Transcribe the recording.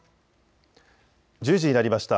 １０時になりました。